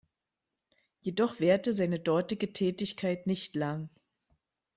Jedoch währte seine dortige Tätigkeit nicht lang.